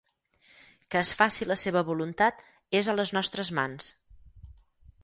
Que es faci la seva voluntat és a les nostres mans.